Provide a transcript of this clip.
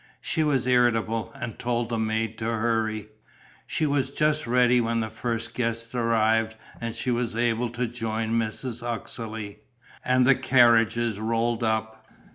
She was irritable and told the maid to hurry. She was just ready when the first guests arrived and she was able to join Mrs. Uxeley. And the carriages rolled up.